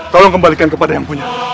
tolong kembalikan kepada yang punya